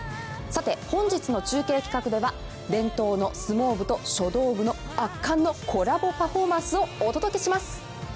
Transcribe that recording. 本日の中継企画では伝統の相撲部と書道部の圧巻のコラボパフォーマンスをお届けします。